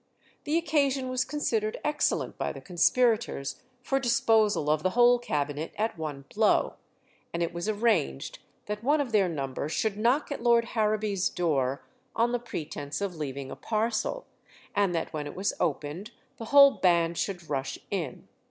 The occasion was considered excellent by the conspirators for disposal of the whole Cabinet at one blow, and it was arranged that one of their number should knock at Lord Harrowby's door on the pretence of leaving a parcel, and that when it was opened the whole band should rush in.